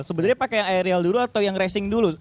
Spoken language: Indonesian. sebenarnya pakai aerial dulu atau yang racing dulu